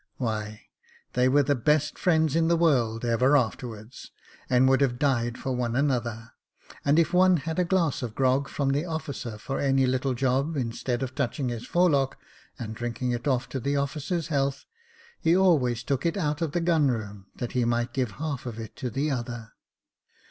Why, they were the best friends in the world ever after wards, and would have died for one another ; and if one had a glass of grog from the officers for any little job, instead of touching his forelock and drinking it off to the officer's health, he always took it out of the gun room, that he might give half of it to the other.